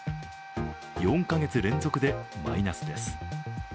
４か月連続でマイナスです。